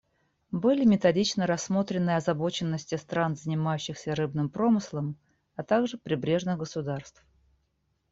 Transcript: Были методично рассмотрены озабоченности стран, занимающихся рыбным промыслом, а также прибрежных государств.